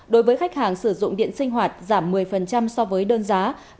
đối với khách hàng sử dụng điện sinh hoạt giảm một mươi so với đơn giá hiện hành